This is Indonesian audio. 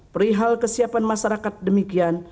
perihal kesiapan masyarakat demikian